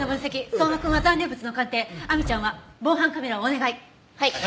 相馬くんは残留物の鑑定亜美ちゃんは防犯カメラをお願い。